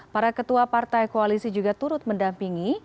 para ketua partai koalisi juga turut mendampingi